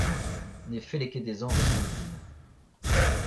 Ne felle ket dezhañ respont din.